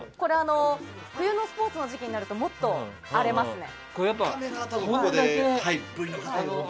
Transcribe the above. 冬のスポーツの時期になるともっと荒れますね。